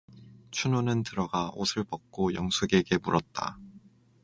춘우는 들어가 옷을 벗고 영숙에게 물었다.